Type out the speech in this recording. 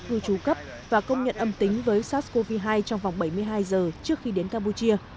cư trú cấp và công nhận âm tính với sars cov hai trong vòng bảy mươi hai giờ trước khi đến campuchia